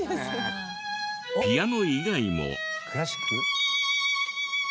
ピアノ以外も。